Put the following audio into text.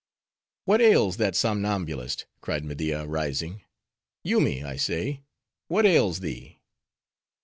"What ails that somnambulist?" cried Media, rising. "Yoomy, I say! what ails thee?"